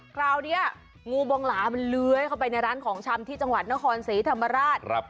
คราวนี้งูบองหลามันเลื้อยเข้าไปในร้านของชำที่จังหวัดนครศรีธรรมราช